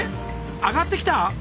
上がってきた？